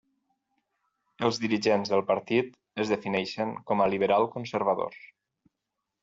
Els dirigents del partit es defineixen com a liberal-conservadors.